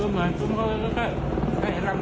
เป็นทางที่เรียกตามอยู่ที่หนักคอย